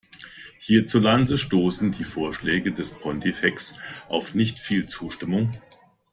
Hierzulande stoßen die Vorschläge des Pontifex auf nicht viel Zustimmung.